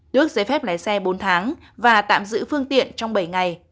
được giấy phép lấy xe bốn tháng và tạm giữ phương tiện trong bảy ngày